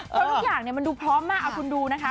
เพราะทุกอย่างมันดูพร้อมมากเอาคุณดูนะคะ